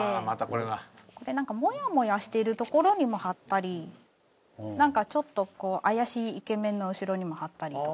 これなんかモヤモヤしてる所にも貼ったりなんかちょっとこう怪しいイケメンの後ろにも貼ったりとか。